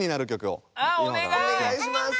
おねがいします！